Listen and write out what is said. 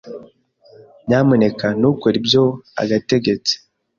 Nyamuneka ntukore ibyo agategeste